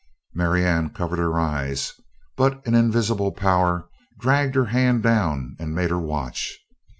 Marianne covered her eyes, but an invisible power dragged her hand down and made her watch.